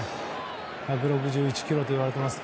１６１キロといわれてますが。